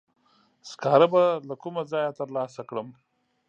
سکاره به له کومه ځایه تر لاسه کړم؟